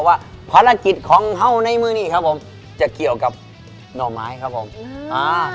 ว่าภารกิจของเฮ่าในมือนี่ครับผมจะเกี่ยวกับหน่อไม้ครับผมอ่า